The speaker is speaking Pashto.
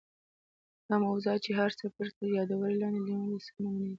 دا موضوعات چې د هر څپرکي تر یادوري لاندي لیکل سوي نمونې دي.